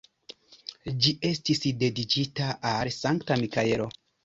Ĝi estis dediĉita al Sankta Mikaelo.